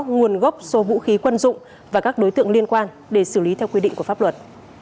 nguồn gốc số vũ khí quân dụng và các đối tượng liên quan để xử lý theo quy định của pháp luật